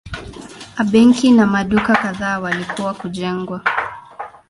A benki na maduka kadhaa walikuwa kujengwa.